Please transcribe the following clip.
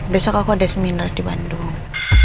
besok aku ada seminar di bandung